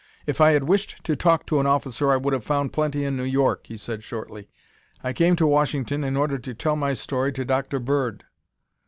"If I had wished to talk to an officer I could have found plenty in New York," he said shortly. "I came to Washington in order to tell my story to Dr. Bird."